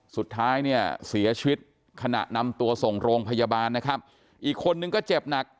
สุดท้ายเนี่ยเสียชีวิตขณะนำตัวส่งโรงพยาบาลนะครับอีกคนนึงก็เจ็บหนัก